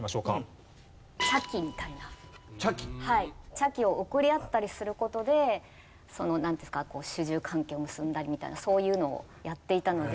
茶器を贈り合ったりする事で主従関係を結んだりみたいなそういうのをやっていたので。